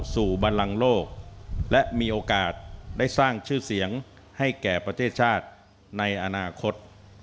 บรรลังโลกและมีโอกาสได้สร้างชื่อเสียงให้แก่ประเทศชาติในอนาคต